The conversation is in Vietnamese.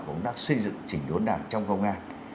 công tác xây dựng chỉnh đốn đảng trong công an